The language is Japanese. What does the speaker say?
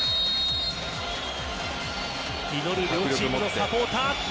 祈る両チームのサポーター。